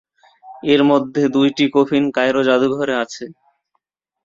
এর মধ্যে দুইটি কফিন কায়রো জাদুঘরে আছে।